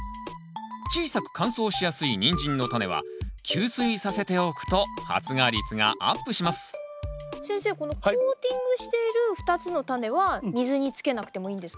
小さく乾燥しやすいニンジンのタネは吸水させておくと発芽率がアップします先生このコーティングしている２つのタネは水につけなくてもいいんですか？